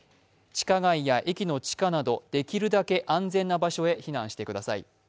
地下街や駅の地下など、できるだけ安全な場所へ避難してください。